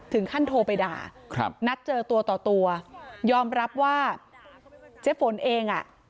โทรไปด่าครับนัดเจอตัวต่อตัวยอมรับว่าเจ๊ฝนเองอ่ะ